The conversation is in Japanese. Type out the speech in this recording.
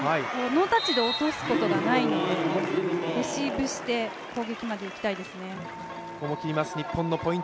ノータッチで落とすことがないのでレシーブして、攻撃までいきたいですね。